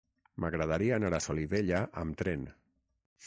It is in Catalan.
M'agradaria anar a Solivella amb tren.